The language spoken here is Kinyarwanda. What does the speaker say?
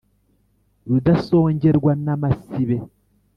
rudasongerwa n' amasibe